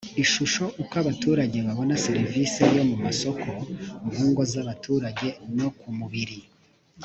ishusho uko abaturage babona serivisi yo mu masoko mu ngo z abaturage no ku mubiri